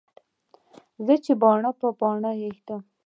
زه چې باڼه پر باڼه ږدم.